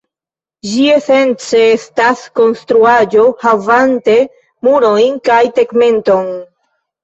Ĝi esence estas konstruaĵo, havante murojn kaj tegmenton.